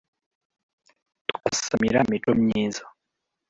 twasamira micomyiza